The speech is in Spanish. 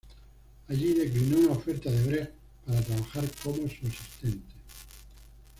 Allí declinó una oferta de Brecht para trabajar como su asistente.